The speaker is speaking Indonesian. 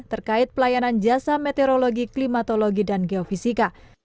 terkait pelayanan jasa meteorologi klimatologi dan geofisika